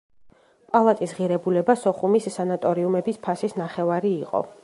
პალატის ღირებულება სოხუმის სანატორიუმების ფასის ნახევარი იყო.